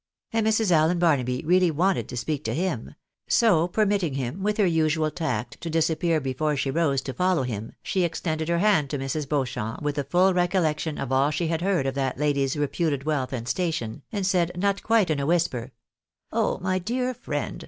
And ]\Irs. Allen Barnaby really wanted to speak to him ; so permitting him, with her usual tact, to disappear before she rose to follow him, she extended her hand to Mrs. Beauchamp, with the full recollection of all she had heard of that lady's reputed wealth and station, and said, not quite in a whisper —" Oh my dear friend